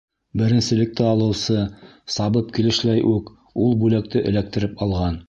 Беренселекте алыусы, сабып килешләй үк, ул бүләкте эләктереп алған.